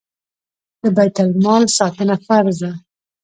د بیت المال ساتنه فرض ده